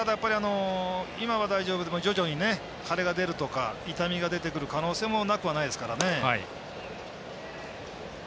今、大丈夫でも徐々に腫れが出るとか痛みが出てくる可能性もなくはないですからね。